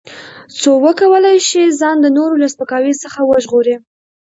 څو وکولای شي ځان د نورو له سپکاوي څخه وژغوري.